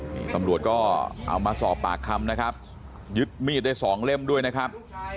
นี่ตำรวจก็เอามาสอบปากคำนะครับยึดมีดได้สองเล่มด้วยนะครับ